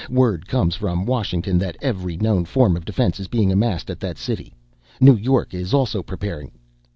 Word comes from Washington that every known form of defense is being amassed at that city. New York is also preparing...."